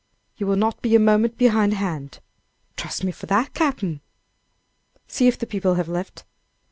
"You will not be a moment behind hand?" "Trust me for that, Cap'n." "See if the people have left."